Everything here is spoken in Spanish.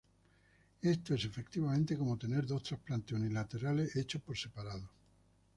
Esto es efectivamente como tener dos trasplantes unilaterales hechos por separado.